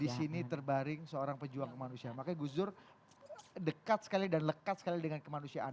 di sini terbaring seorang pejuang kemanusiaan makanya gus dur dekat sekali dan lekat sekali dengan kemanusiaan